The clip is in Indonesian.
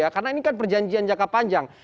karena ini kan perjanjian jangka panjang